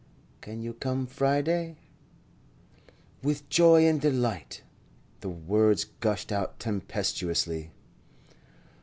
"Can you come Friday?" "With joy and delight." The words gushed out tempestuously.